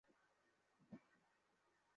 আরে কিসের ঘুম?